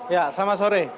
ya selamat sore